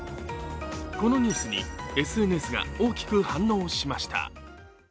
このニュースにＳＮＳが大きく反応しました。